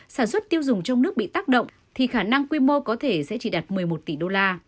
sản xuất tiêu dùng trong nước bị tác động thì khả năng quy mô có thể sẽ chỉ đạt một mươi một tỷ đô la